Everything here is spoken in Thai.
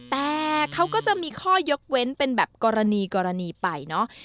แต่เขาก็จะมีข้อยกเว้นเป็นแบบกรณีกรณีไปเนาะ